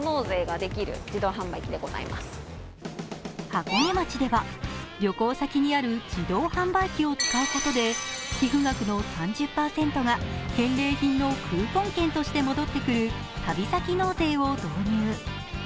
箱根町では旅行先にある自動販売機を使うことで寄付額の３０％が返礼品のクーポン券として戻ってくる旅先納税を導入。